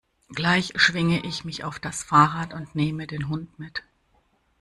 Gleich schwinge ich mich auf das Fahrrad und neme den Hund mit.